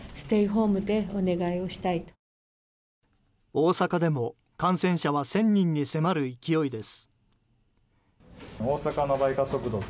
大阪でも感染者は１０００人に迫る勢いです。